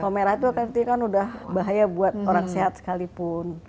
kalau merah itu kan udah bahaya buat orang sehat sekalipun